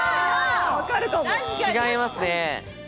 違いますね。